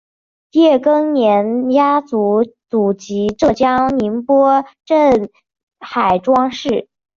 叶庚年家族祖籍浙江宁波镇海庄市。